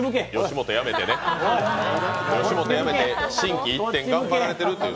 吉本辞めて、心機一転頑張ってるという。